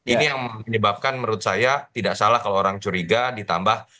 ini yang menyebabkan menurut saya tidak salah kalau orang curiga ditambah